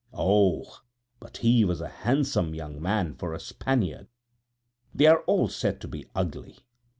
Oh! but he was a handsome young man for a Spaniard; they are all said to be ugly.